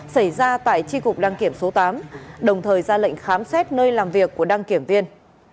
xảy ra tại tri cục đăng kiểm số tám đồng thời ra lệnh khám xét nơi làm việc của đăng kiểm viên